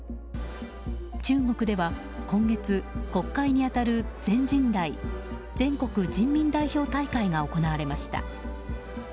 中国では今月、国会に当たる全人代・全国人民代表大会が行われました。